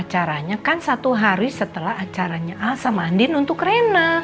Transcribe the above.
acaranya kan satu hari setelah acaranya asam andin untuk rena